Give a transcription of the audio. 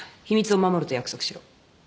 秘密を守ると約束しろ。